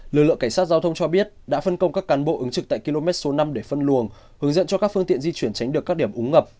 lực lượng cảnh sát giao thông cho biết đã phân công các cán bộ ứng trực tại km số năm để phân luồng hướng dẫn cho các phương tiện di chuyển tránh được các điểm úng ngập